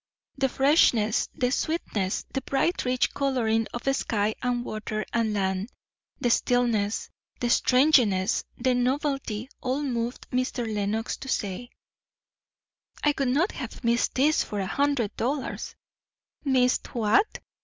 The freshness, the sweetness, the bright rich colouring of sky and water and land, the stillness, the strangeness, the novelty, all moved Mr. Lenox to say, "I would not have missed this for a hundred dollars!" "Missed what?"